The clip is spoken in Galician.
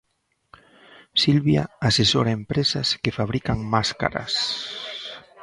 Silvia asesora empresas que fabrican máscaras.